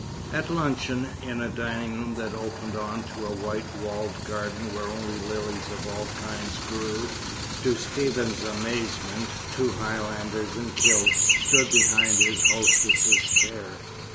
At luncheon, in a dining room that opened on to a white walled garden where only lilies of all kinds grew, to Stephen's amazement two Highlanders in kilts stood behind his hostess's chair.